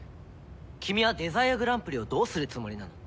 君はデザイアグランプリをどうするつもりなの？